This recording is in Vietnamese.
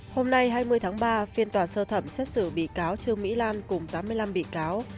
hôm nay hai mươi tháng ba phiên tòa sơ thẩm xét xử bị cáo trương mỹ lan cùng tám mươi năm bị cáo